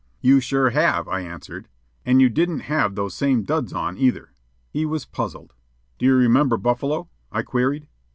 "You sure have," I answered. "An' you didn't have those same duds on, either." He was puzzled. "D'ye remember Buffalo?" I queried.